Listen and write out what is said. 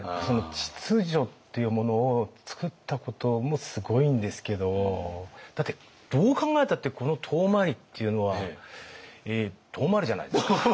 秩序っていうものを作ったこともすごいんですけどだってどう考えたってこの遠回りっていうのは遠回りじゃないですか。